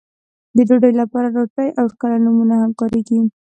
د ډوډۍ لپاره روټۍ او ټکله نومونه هم کاريږي.